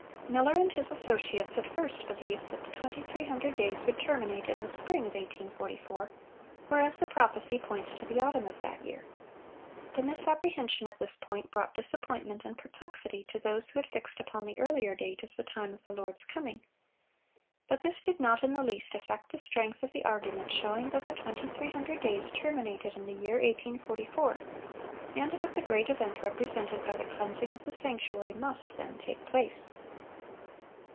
Miller and his associates at first believed that the 2300 days would terminate in the spring of 1844, whereas the prophecy points to the autumn of that year.(547) The misapprehension of this point brought disappointment and perplexity to those who had fixed upon the earlier date as the time of the Lord's coming. But this did not in the least affect the strength of the argument showing that the 2300 days terminated in the year 1844, and that the great event represented by the cleansing of the sanctuary must then take place.